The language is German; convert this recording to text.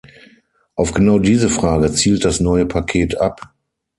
Auf genau diese Frage zielt das neue Paket ab.